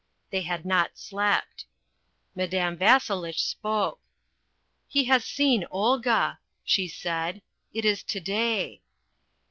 They had not slept. Madame Vasselitch spoke. "He has seen Olga," she said. "It is to day."